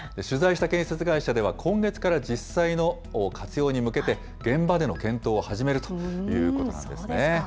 取材した建設会社では、今月から実際の活用に向けて、現場での検討を始めるということなんですね。